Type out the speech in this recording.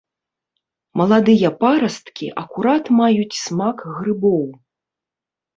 Маладыя парасткі акурат маюць смак грыбоў.